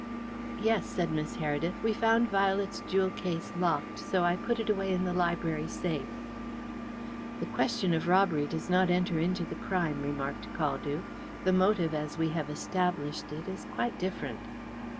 "Yes," said Miss Heredith. "We found Violet's jewel case locked, so I put it away in the library safe." "The question of robbery does not enter into the crime," remarked Caldew. "The motive, as we have established it, is quite different."